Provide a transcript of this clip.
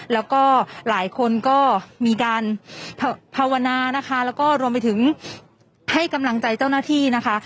แล้วก็หลายคนก็มีการภาวนานะคะแล้วก็รวมไปถึงให้กำลังใจเจ้าหน้าที่นะคะ